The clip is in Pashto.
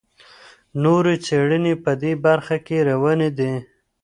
نورې څېړنې په دې برخه کې روانې دي.